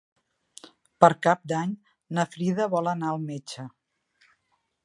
Per Cap d'Any na Frida vol anar al metge.